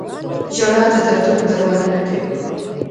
• ژړا د دردونو درملنه کوي.